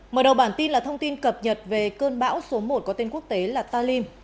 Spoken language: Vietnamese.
mở đầu bản tin là thông tin cập nhật về cơn bão số một có tên quốc tế là talim